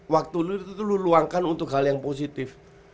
waktu lo itu lo luangkan untuk hal yang positif